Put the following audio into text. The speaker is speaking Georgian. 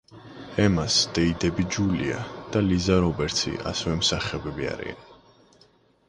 ემას დეიდები-ჯულია და ლიზა რობერტსი ასევე მსახიობები არიან.